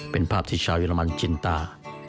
เป็นภาพที่ชาวเยอรมันชินตา